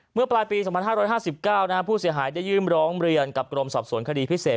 เมื่อปลายปี๒๕๕๙ผู้เสียหายได้ยื่นร้องเรียนกับกรมสอบสวนคดีพิเศษ